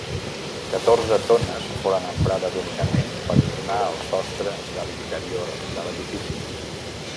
Catorze tones foren emprades únicament per ornar el sostre de l'interior de l'edifici.